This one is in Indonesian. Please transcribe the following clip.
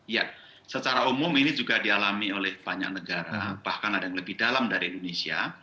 ya secara umum ini juga dialami oleh banyak negara bahkan ada yang lebih dalam dari indonesia